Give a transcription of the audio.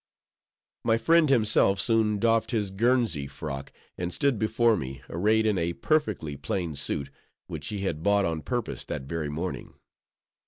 My friend himself soon doffed his Guernsey frock, and stood before me, arrayed in a perfectly plain suit, which he had bought on purpose that very morning.